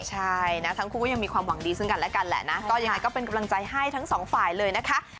ใช่นะทั้งคู่ก็ยังมีความหวังดีซึ่งกันและกันแหละนะก็ยังไงก็เป็นกำลังใจให้ทั้งสองฝ่ายเลยนะคะ